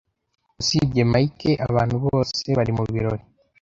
Usibye Mike abantu bose bari mubirori.